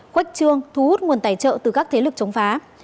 quách trương thu hút nguồn tài trợ từ các thế lực chống phá